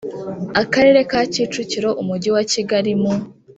Akarere ka Kicukiro Umujyi wa Kigali mu